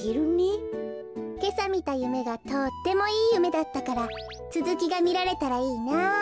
けさみたゆめがとってもいいゆめだったからつづきがみられたらいいなあ。